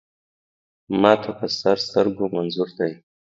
ما ته په سر سترګو منظور دی.